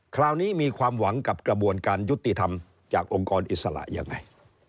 คราวนี้มีความหวังกับกระบวนการยุติธรรมจากองค์กรอิสระยังไง